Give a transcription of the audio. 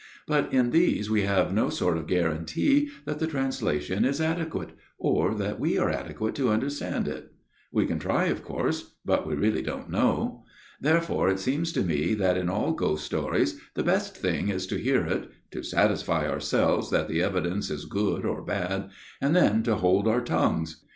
But in these we have no sort of guarantee that the translation is adequate, or that we are ade quate to understand it. We can try, of course ; but we really don't know. Therefore it seems to me that in all ghost stories the best thing is to hear it, to satisfy ourselves that the evidence is good or bad, and then to hold our tongues.